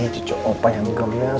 cucok opa yang kerennya